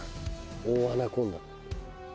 オオアナコンダ。